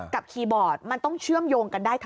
คีย์บอร์ดมันต้องเชื่อมโยงกันได้